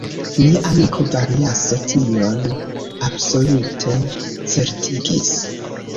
Mia amiko Variaso tion absolute certigis.